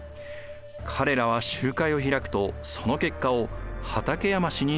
彼らは集会を開くとその結果を畠山氏に突きつけたのです。